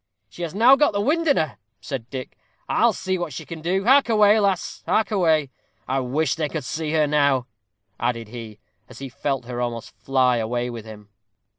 "She has now got her wind in her," said Dick; "I'll see what she can do hark away, lass hark away! I wish they could see her now," added he, as he felt her almost fly away with him.